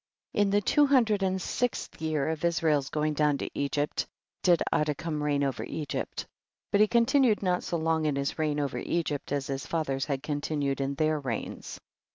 2. Li the two hundred and sixth year of Israel's going down to Egypt did Adikam reign over Egypt, but he continued not so long in his reign over Egypt as his fathers had con tinued in their reigns.